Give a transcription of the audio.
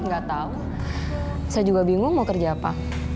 gak tau saya juga bingung mau kerja apa